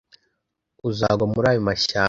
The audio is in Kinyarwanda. uzagwa muri ayo mashyamba,